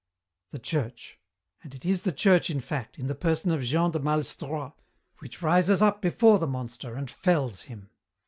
The Church. And it is the Church in fact, in the person of Jean de Malestroit, which rises up before the monster and fells him.